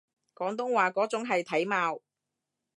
廣東話嗰種係體貌